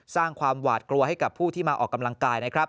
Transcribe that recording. สร้างความหวาดกลัวให้กับผู้ที่มาออกกำลังกายนะครับ